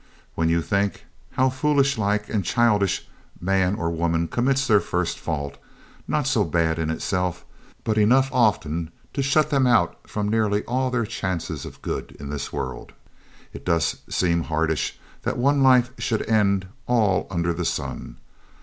When you think how foolish like and childish man or woman commits their first fault, not so bad in itself, but enough often to shut them out from nearly all their chances of good in this world, it does seem hardish that one life should end all under the sun.